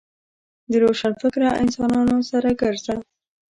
د روشنفکره انسانانو سره ګرځه .